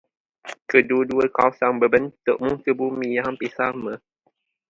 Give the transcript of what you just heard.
Kedua-dua kawasan berbentuk muka bumi yang hampir sama.